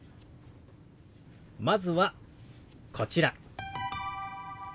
まずはこちら。